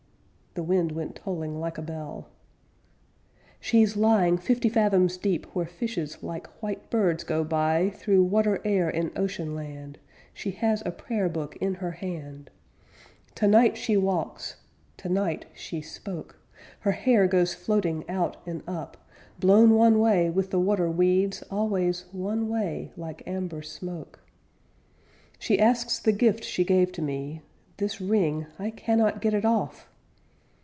'_ The wind went tolling like a bell: 'She's lying fifty fathoms deep, Where fishes like white birds go by Through water air in ocean land; _She has a prayer book in her hand _ Tonight she walks; tonight she spoke; Her hair goes floating out and up, Blown one way, with the water weeds, Always one way, like amber smoke. _She asks the gift she gave to me _ _This ring I cannot get it off!'